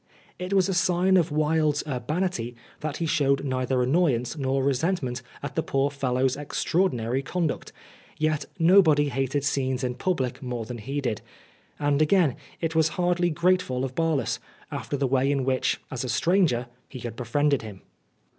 It was a sign of Wilde's urbanity that he showed neither annoyance nor resentment at the poor fellow's extraordinary conduct, yet nobody hated scenes in public more than he did ; and again, it was hardly grateful of Barlas, after the way in which, as a stranger, he had befriended him.